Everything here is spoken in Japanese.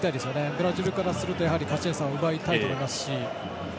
ブラジルからすると勝ち点３を奪いたいと思いますし。